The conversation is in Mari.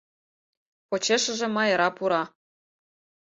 Почешыже Майра пура.